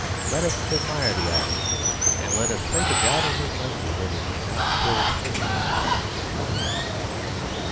Let us admire the ivy; and let us pray to God in His mercy that it may not kill the tree."